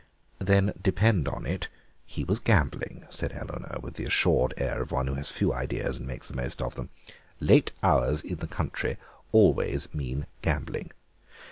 "Then depend on it he was gambling," said Eleanor, with the assured air of one who has few ideas and makes the most of them. "Late hours in the country always mean gambling."